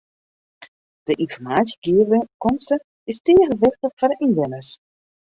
De ynformaasjegearkomste is tige wichtich foar de ynwenners.